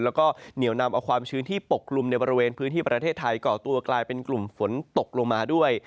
แล้วก็เหนียวนำเอาความชื้นที่ปกลุ่มในบริเวณพื้นที่ประเทศไทยก่อตัวกลายเป็นกลุ่มฝนตกลงมาด้วย